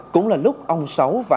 cũng là lúc ông sáu